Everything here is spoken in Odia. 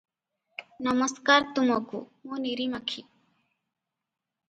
ନମସ୍କାର ତୁମକୁ ମୁଁ ନିରିମାଖି ।